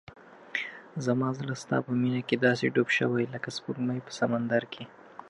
زما زړه ستا په مینه کې داسې ډوب شوی لکه سپوږمۍ په سمندر کې.